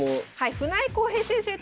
船江恒平先生と。